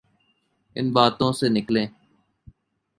ان باتوں سے نکلیں۔